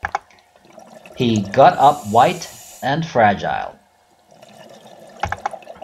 He got up white and fragile.